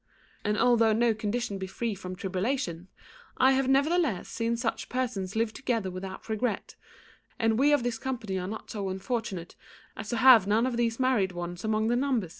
And although no condition be free from tribulation, I have nevertheless seen such persons live together without regret; and we of this company are not so unfortunate as to have none of these married ones among the number."